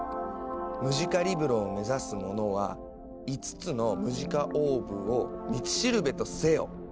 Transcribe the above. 「ムジカリブロを目指す者は５つのムジカオーブを道しるべとせよ」。